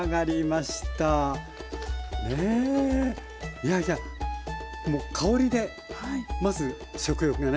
いやいやもう香りでまず食欲がね。